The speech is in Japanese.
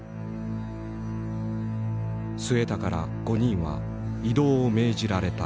末高ら５人は異動を命じられた。